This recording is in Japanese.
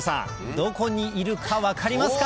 どこにいるか分かりますか？